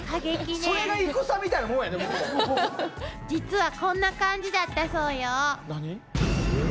実はこんな感じだったそうよ。